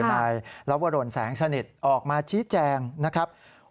แล้วว่าโรนแสงสนิทออกมาชี้แจงนะครับ